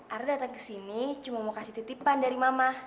arah datang kesini cuma mau kasih titipan dari mama